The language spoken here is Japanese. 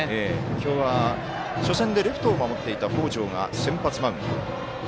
今日は初戦でレフトを守っていた北條が先発マウンド。